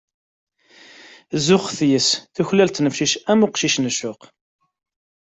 Zuxet yis-s, tuklal ttnefcic am uqcic n ccuq.